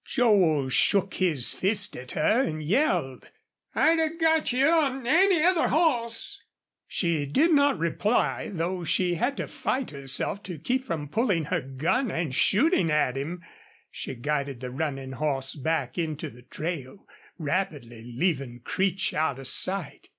Joel shook his fist at her and yelled, "I'd 'a' got you on any other hoss!" She did not reply, though she had to fight herself to keep from pulling her gun and shooting at him. She guided the running horse back into the trail, rapidly leaving Creech out of sight.